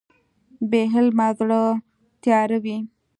بې علمه زړه تیاره وي.